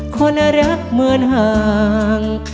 คนรักเหมือนห่าง